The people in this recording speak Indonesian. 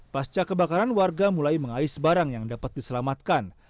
pasca kebakaran warga mulai mengais barang yang dapat diselamatkan